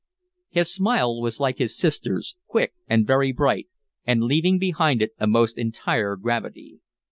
His smile was like his sister's, quick and very bright, and leaving behind it a most entire gravity.